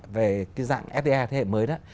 về dạng fta thế hệ mới đó